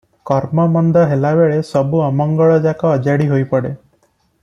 କର୍ମ ମନ୍ଦ ହେଲାବେଳେ ସବୁ ଅମଙ୍ଗଳଯାକ ଅଜାଡ଼ି ହୋଇପଡ଼େ ।